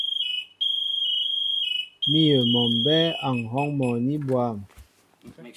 Míyə mɔ mbɛ́ɛ́ a ŋ̀hɔ́ŋ mɔní bwâm.